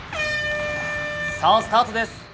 さあ、スタートです。